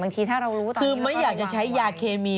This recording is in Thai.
บางทีถ้าเรารู้ตอนนี้คือไม่อยากจะใช้ยาเคมี